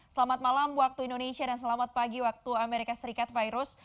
selamat malam waktu indonesia dan selamat pagi waktu amerika serikat virus